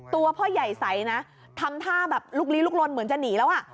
ตัวพ่อใหญ่ใสนะทำท่าแบบลุกลี้ลุกลนเหมือนจะหนีแล้วอ่ะ